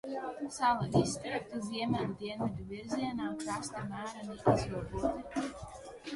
Sala izstiepta ziemeļu–dienvidu virzienā, krasti mēreni izroboti.